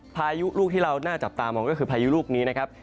พายุลูกที่เราน่าจับตามองก็คือพายุลูกนี้นะครับ